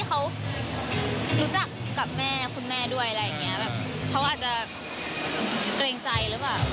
เขารู้จักกับคุณแม่ด้วยเขาอาจจะเตรงใจรึเปล่า